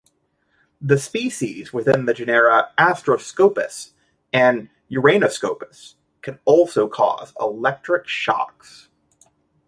The species within the genera "Astroscopus" and "Uranoscopus" can also cause electric shocks.